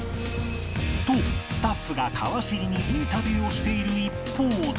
とスタッフが川尻にインタビューをしている一方で